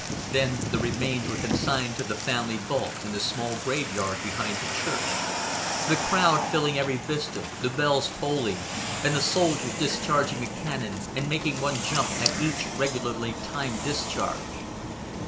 Then the remains were consigned to the family vault in the small graveyard behind the church the crowd filling every vista, the bells tolling, and the soldiers discharging a cannon and making one jump at each regularly timed discharge.